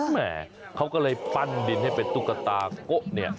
แหมเขาก็เลยปั้นดินให้เป็นตุ๊กตาก๊ะ